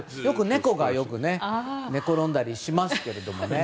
猫がよく寝転んだりしますけどもね。